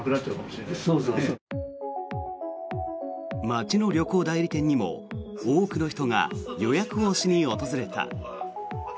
町の旅行代理店にも多くの人が予約をしに訪れた。